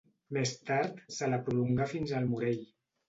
Més tard se la prolongà fins al Morell.